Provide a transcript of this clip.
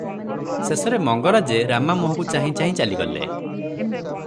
ଶେଷରେ ମଙ୍ଗରାଜେ ରାମା ମୁହକୁ ଚାହିଁ ଚାହିଁ ଚାଲିଗଲେ ।